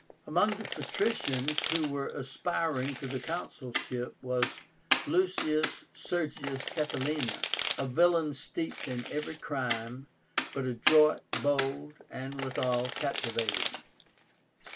Among the patricians who were aspiring to the consulship was LUCIUS SERGIUS CATILÍNA, a villain steeped in every crime, but adroit, bold, and withal captivating.